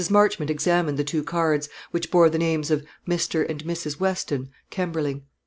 Marchmont examined the two cards, which bore the names of Mr. and Mrs. Weston, Kemberling.